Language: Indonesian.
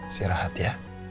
isi rahat ya